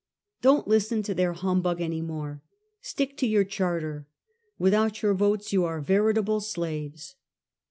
Don't listen to their humbug any more. Stick to your Charter. Without your votes you are verit able slaves.